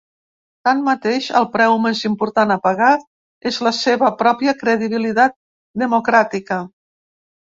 Tanmateix, el preu més important a pagar és la seva pròpia credibilitat democràtica.